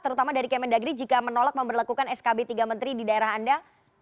terutama dari kemendagri jika menolak memperlakukan skb tiga menteri di daerah anda